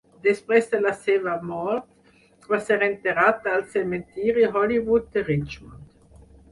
Després de la seva mort, va ser enterrat al cementiri Hollywood de Richmond.